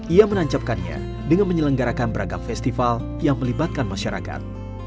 ia menancapkannya dengan menyelenggarakan beragam festival yang melibatkan masyarakat